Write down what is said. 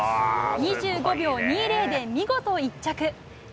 ２５秒２０で見事１着。